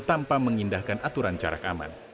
tanpa mengindahkan aturan jarak aman